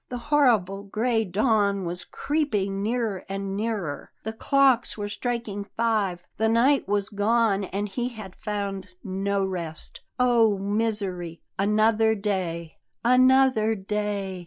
The horrible gray dawn was creeping near and nearer; the clocks were striking five; the night was gone and he had found no rest. Oh, misery! Another day another day!